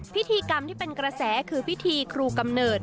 พิธีกรรมที่เป็นกระแสคือพิธีครูกำเนิด